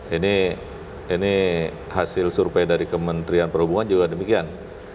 ini hasil survei dari kementerian perhubungan juga demikian